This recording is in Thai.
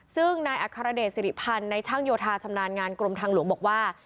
ซึ่งนายอัครเดชสิริพันธ์ในช่างโยธาชำนาญงานกรมทางหลวงบอกว่า